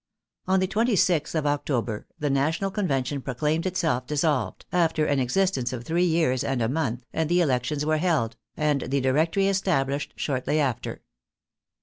On the 26th of October the National Con vention proclaimed itself dissolved, after an existence of three years and a month, and the elections were held, and the Directory established shortly after.